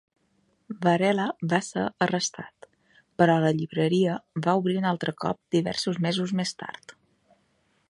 Varela va ser arrestat, però la llibreria va obrir un altre cop diversos mesos més tard.